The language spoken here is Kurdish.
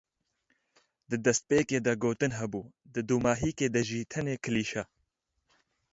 Di despêkê de gotin hebû di dûmahîkê de jî tenê klîşe.